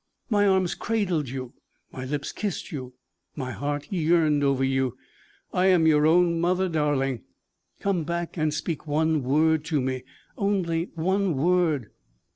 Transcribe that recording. My arms cradled you, my lips kissed you, my heart yearned over you. I am your own mother, darling. Come back and speak one word to me only one word.